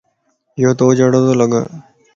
يو تو جھڙو تو لڳ